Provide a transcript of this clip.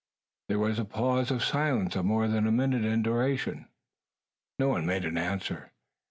There was a pause of silence of more than a minute in duration. No one made answer.